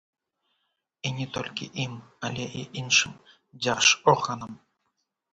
І не толькі ім, але і іншым дзяржорганам.